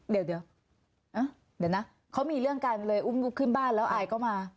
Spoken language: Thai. เดี๋ยวนะเขามีเรื่องกันเลยอุ้มลูกขึ้นบ้านแล้วอายก็มา